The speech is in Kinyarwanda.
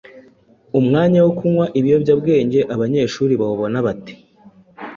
Umwanya wo kunywa ibiyobyabwenge abanyeshuri bawubona bate?